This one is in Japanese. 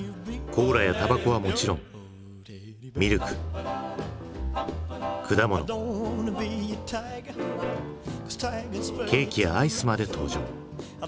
コーラやタバコはもちろんミルク果物ケーキやアイスまで登場。